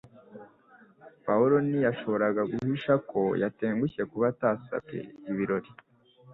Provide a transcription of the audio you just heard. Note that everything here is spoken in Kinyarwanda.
Pawulo ntiyashoboraga guhisha ko yatengushye kuba atasabwe ibirori